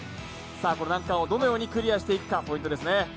この難関をどのようにクリアしていくかポイントですね。